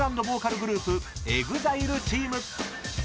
＆ボーカルグループＥＸＩＬＥチーム］